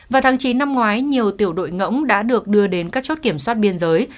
vào tháng chín năm ngoái nhiều tiểu đội ngỗng đã được đưa đến các chốt kiểm soát biên giới